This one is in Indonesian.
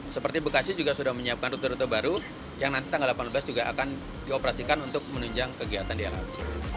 seperti bekasi juga sudah menyiapkan rute rute baru yang nanti tanggal delapan belas juga akan dioperasikan untuk menunjang kegiatan di lrt